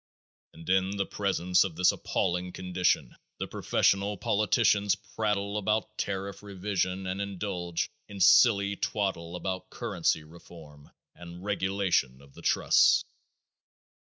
And in the presence of this appalling condition the professional politicians prattle about tariff revision and indulge in silly twaddle about currency reform and regulation of the trusts.